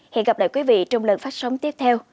hẹn gặp lại quý vị trong lần phát sóng tiếp theo